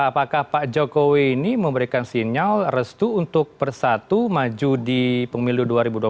apakah pak jokowi ini memberikan sinyal restu untuk bersatu maju di pemilu dua ribu dua puluh